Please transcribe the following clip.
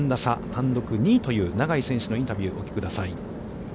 単独２位という永井選手のインタビューをお聞きください。